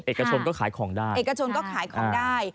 เอกชนก็ขายของได้เอกชนก็ขายของได้